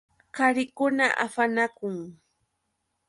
Qarikuna afanakun.